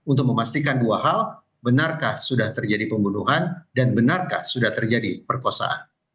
untuk memastikan dua hal benarkah sudah terjadi pembunuhan dan benarkah sudah terjadi perkosaan